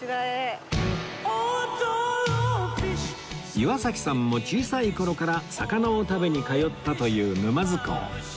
岩崎さんも小さい頃から魚を食べに通ったという沼津港